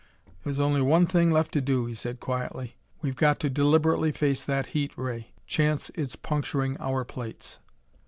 "There's only one thing left to do," he said quietly. "We've got to deliberately face that heat ray; chance its puncturing our plates."